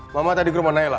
mama tadi ke rumah nailah